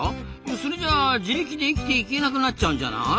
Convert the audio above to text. それじゃあ自力で生きていけなくなっちゃうんじゃない？